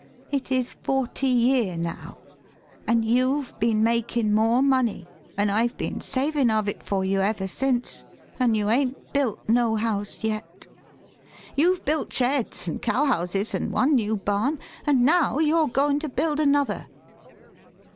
It is forty year now, an' you've been makin' more money, an' I've been savin' of it for you ever since, an' you 'ain't built no house yet. You've built sheds an' cow houses an' one new barn, an' now you're goin' to build another.